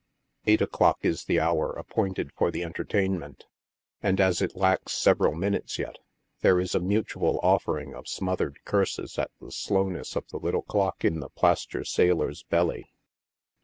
Eight o'clock is the hour appointed for the entertainment, and as it lacks several minutes yet, there is a mutual offering of smothered curses at the slowness of the little clock in the plaster sailor's belly.